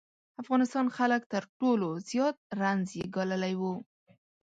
افغانستان خلک تر ټولو زیات رنځ یې ګاللی و.